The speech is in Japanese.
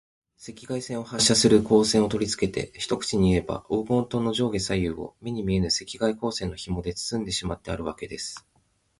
赤外線を発射する光線をとりつけて、一口にいえば、黄金塔の上下左右を、目に見えぬ赤外光線のひもでつつんでしまってあるわけです。